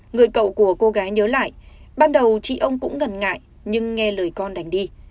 người cậu của cô gái nhớ lại ban đầu chị ông cũng ngần ngại nhưng nghe lời con đành đi